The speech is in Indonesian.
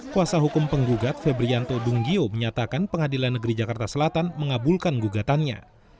kuasa hukum penggugat febrianto dunggio menyatakan pengadilan negeri jakarta selatan mengabulkan gugatannya